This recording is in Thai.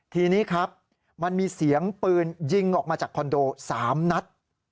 ทีนี้ครับมันมีเสียงปืนยิงออกมาจากคอนโด๓นัด